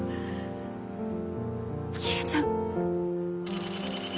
消えちゃう。